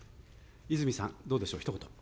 泉さん、どうでしょう、ひと言。